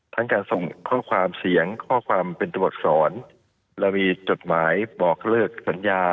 ทั้งการส่งข้อความเสียงข้อความเป็นตัวอักษรและมีจดหมายบอกเลิกสัญญา